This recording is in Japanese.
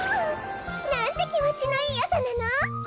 なんてきもちのいいあさなの。